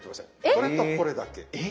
これとこれだけ。